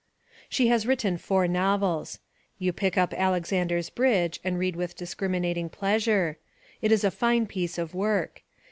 She has written four novels. You pick up Alex ander's Bridge and read with discriminating pleasure. It is a fine piece of work.